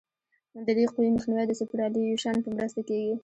د دې قوې مخنیوی د سوپرایلیویشن په مرسته کیږي